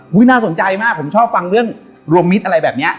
น่าสนใจมากผมชอบฟังเรื่องรวมมิตรอะไรแบบนี้